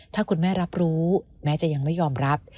ถ้าคุณแม่รับรู้แม้จะยังไม่ยอมรับ